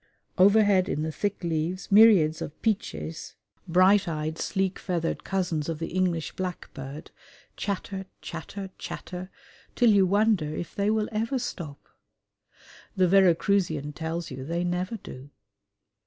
Overhead in the thick leaves myriads of piches bright eyed, sleek feathered cousins of the English blackbird chatter, chatter, chatter till you wonder if they will ever stop: the Veracruzian tells you they never do.